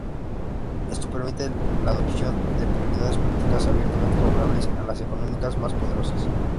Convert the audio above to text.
Esto permite la adopción de prioridades políticas abiertamente favorables a las economías más poderosas".